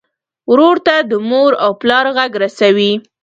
ورور ته د مور او پلار غږ رسوې.